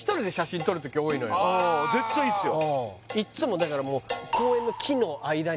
ああ絶対いいっすよ